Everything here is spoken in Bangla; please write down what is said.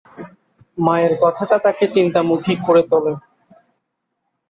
মায়ের কথাটা তাকে চিন্তামুখী করে তোলে।